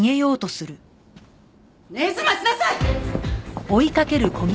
根津待ちなさい！